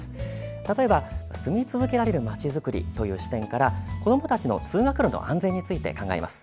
例えば、住み続けられる街づくりという視点から子どもたちの通学路の安全について考えます。